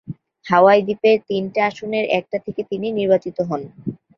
হাওয়াই দ্বীপের তিনটা আসনের একটা থেকে তিনি নির্বাচিত হন।